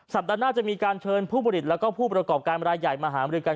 สัปดาห์หน้าจะมีการเชิญผู้ผลิตและผู้ประกอบการเมื่อรายใหญ่มาหามาเรื่องกัน